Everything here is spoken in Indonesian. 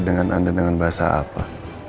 dengan anda dengan bahasa apa